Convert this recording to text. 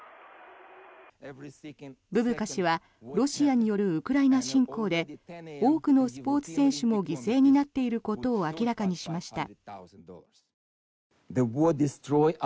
ブブカ氏はロシアによるウクライナ侵攻で多くのスポーツ選手も犠牲になっていることを明らかにしました。